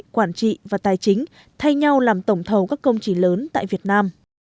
quản trị và tài chính thay nhau làm tổng thầu các công trình lớn tại việt nam